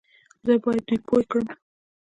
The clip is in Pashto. زه بايد دوی پوه کړم